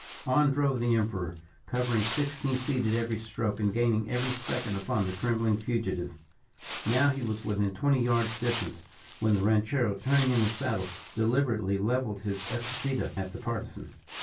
On drove the Emperor, covering sixteen feet at every stroke, and gaining every second upon the trembling fugitive. Now he was within twenty yards distance, when the ranchero, turning in his saddle, deliberately levelled his escopeta at the Partisan.